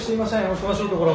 お忙しいところ。